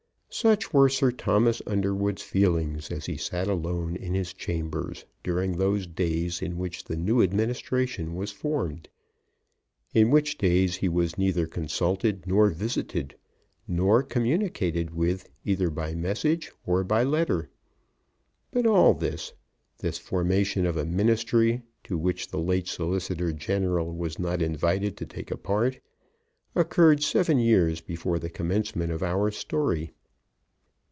Such were Sir Thomas Underwood's feelings as he sat alone in his chambers during those days in which the new administration was formed, in which days he was neither consulted nor visited, nor communicated with either by message or by letter. But all this, this formation of a Ministry, in which the late Solicitor General was not invited to take a part, occurred seven years before the commencement of our story.